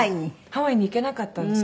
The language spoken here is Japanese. ハワイに行けなかったんですよ。